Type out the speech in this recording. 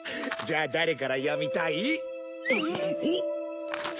じゃあ誰から読みたい？